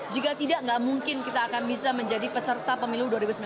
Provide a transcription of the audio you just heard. jika tidak mungkin kita akan bisa menjadi peserta pemilu dua ribu sembilan belas